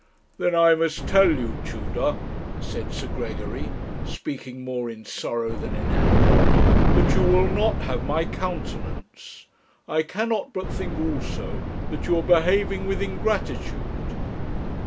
'Then I must tell you, Tudor,' said Sir Gregory, speaking more in sorrow than in anger, 'that you will not have my countenance. I cannot but think also that you are behaving with ingratitude.'